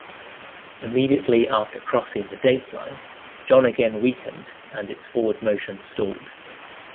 Immediately after crossing the Date Line, John again weakened and its forward motion stalled.